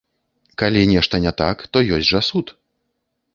Калі нешта не так, то ёсць жа суд.